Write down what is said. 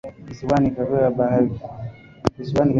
visiwani katika bahari ya Pasifiki Ni jimbo la hamsini na la mwisho